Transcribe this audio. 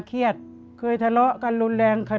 เครียดเคยทะเลาะกันรุนแรง